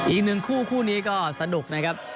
อีกหนึ่งคู่คู่นี้ก็สนุกนะครับ